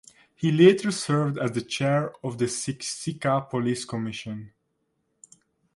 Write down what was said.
He later served as the chair of the Siksika police commission.